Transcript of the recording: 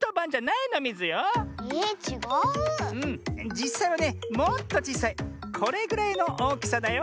じっさいはねもっとちいさいこれぐらいのおおきさだよ。